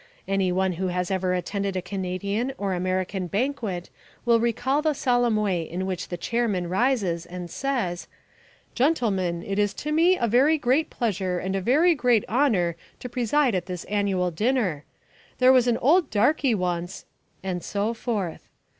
Any one who has ever attended a Canadian or American banquet will recall the solemn way in which the chairman rises and says: "Gentlemen, it is to me a very great pleasure and a very great honour to preside at this annual dinner. There was an old darky once " and so forth.